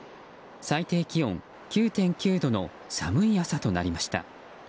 最低気温９．９度の寒い朝となりました。